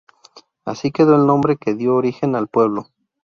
Así quedó el nombre que dio origen al pueblo.